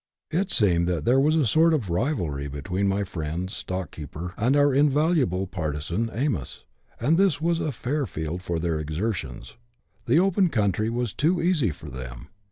It seemed that there was a sort of rivalry between my friend's stock keeper and our invaluable partisan " Amos," and this was a fair field for their exertions. The open country was too easy for them.